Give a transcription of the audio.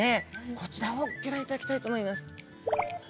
こちらをギョ覧いただきたいと思います。